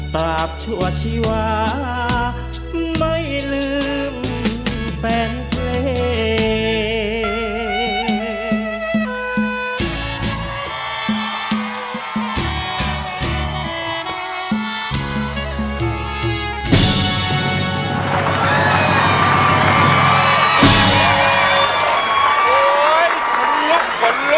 ชั่วชีวาไม่ลืมแฟนเพลง